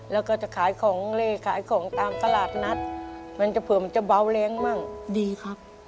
แล้วก็จะขายของเล่ขายของตามตลาดนัดมันจะเผื่อมันจะเบาแรงมั่งดีครับ